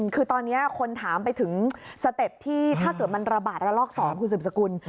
คือตอนนี้คนถามไปถึงสเต็ปที่ถ้าเกิดมันระบาดระลอก๒คุณสืบสกุล